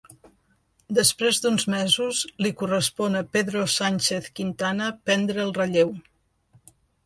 Després d'uns mesos, li correspon a Pedro Sánchez Quintana prendre el relleu.